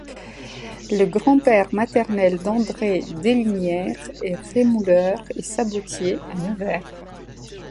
Le grand-père maternel d'André Deslignères est rémouleur et sabotier à Nevers.